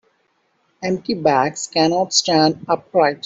Empty bags cannot stand upright.